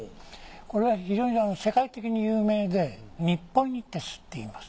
これは非常に世界的に有名でニッポニテスっていいます。